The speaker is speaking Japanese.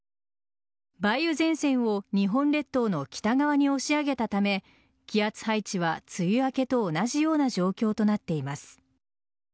梅雨前線を日本列島の北側に押し上げたため気圧配置は梅雨明けと同じような状況となっています。